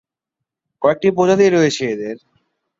কয়েকটি প্রজাতি রয়েছে এদের।